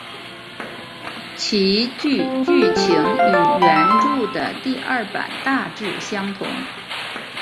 其剧剧情与原着的第二版大致相同。